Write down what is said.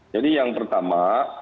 jadi yang pertama